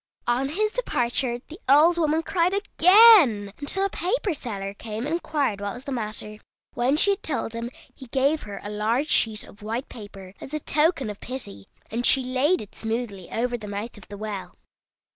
On his departure the old woman cried again, until a paper seller came and inquired what was the matter. When she had told him, he gave her a large sheet of white paper, as a token of pity, and she laid it smoothly over the mouth of the well.